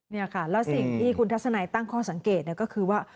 นี่ค่ะแล้วสิ่งที่คุณทัศนัยตั้งข้อสังเกตก็คือว่า